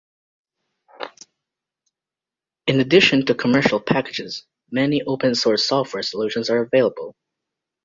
In addition to commercial packages, many open-source software solutions are available.